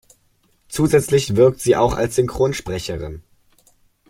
Zusätzlich wirkt sie auch als Synchronsprecherin.